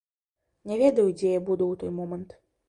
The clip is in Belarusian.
Не ведаю, дзе я буду ў той момант.